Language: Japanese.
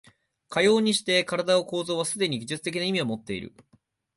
かようにして身体の構造はすでに技術的な意味をもっている。